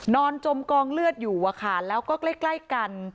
จมกองเลือดอยู่อะค่ะแล้วก็ใกล้กัน